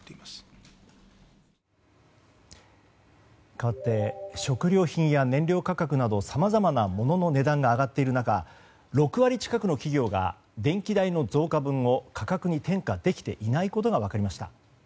かわって食料品や燃料価格などさまざまなものの値段が上がっている中６割近くの企業が電気代の増加分を価格に転嫁できていないことが分かりました。